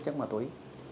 trong ma túi